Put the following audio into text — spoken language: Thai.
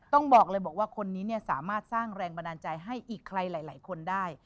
ต้องบอกเลยบอกว่าคนนี้สามารถสร้างแรงบันดาลใจให้อีกใครหลายคนได้